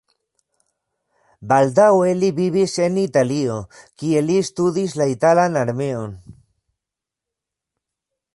Baldaŭe li vivis en Italio, kie li studis la italan armeon.